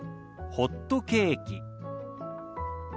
「ホットケーキ」。